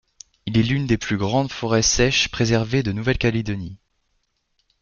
Il est l’une des plus grandes forêts sèches préservées de Nouvelle-Calédonie.